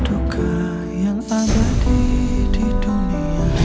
tidak ada yang ada di dunia